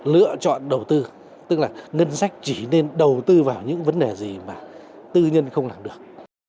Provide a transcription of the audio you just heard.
lựa chọn đầu tư tức là ngân sách chỉ nên đầu tư vào những vấn đề gì mà tư nhân không làm được